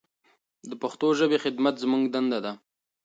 د پښتو ژبې خدمت زموږ دنده ده.